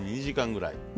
２時間ぐらい。